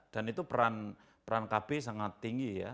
dan itu peran kb sangat tinggi ya